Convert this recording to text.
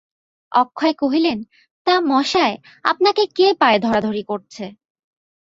অক্ষয় কহিলেন, তা, মশায়, আপনাকে কে পায়ে ধরাধরি করছে।